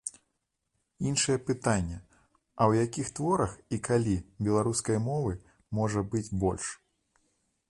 Іншае пытанне, а ў якіх творах і калі беларускай мовы можа быць больш?